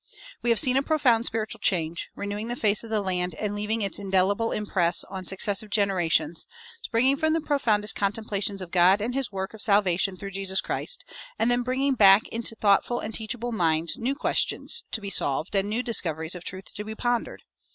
We have seen a profound spiritual change, renewing the face of the land and leaving its indelible impress on successive generations, springing from the profoundest contemplations of God and his work of salvation through Jesus Christ, and then bringing back into thoughtful and teachable minds new questions to be solved and new discoveries of truth to be pondered.